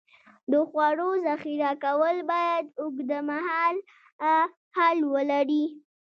د خوړو ذخیره کول باید اوږدمهاله حل ولري.